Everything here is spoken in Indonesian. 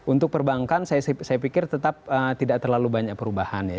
untuk perbankan saya pikir tetap tidak terlalu banyak perubahan ya